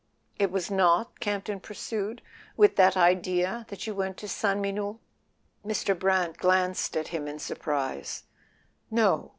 "It was not," Camp ton pursued, "with that idea that you went to Sainte Menehould ?" Mr. Brant glanced at him in surprise. "No.